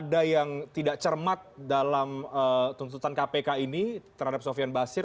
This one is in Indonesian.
ada yang tidak cermat dalam tuntutan kpk ini terhadap sofian basir